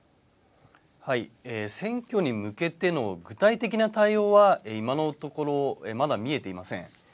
選挙に向けての具体的な対応は今のところまだ見えていません。